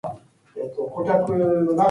He currently lives in Knocklyon.